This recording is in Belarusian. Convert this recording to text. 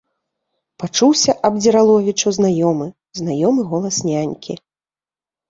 — пачуўся Абдзіраловічу знаёмы, знаёмы голас нянькі.